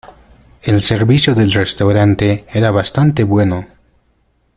El servicio del restaurante era bastante bueno.